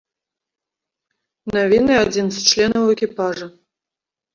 Навіны адзін з членаў экіпажа.